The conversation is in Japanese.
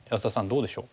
どうでしょう？